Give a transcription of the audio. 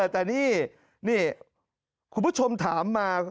แต่นี่คุณผู้ชมถามมา